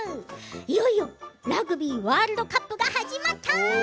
いよいよラグビーワールドカップが始まった。